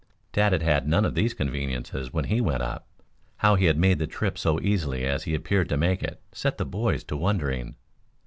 Tad had had none of these conveniences when he went up. How he had made the trip so easily as he appeared to make it set the boys to wondering.